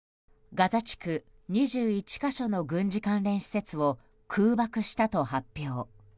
ガザ地区２１か所の軍事関連施設を空爆したと発表。